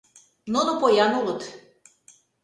Нуно поян улыт.